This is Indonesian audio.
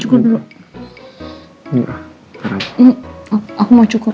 aku mau cukur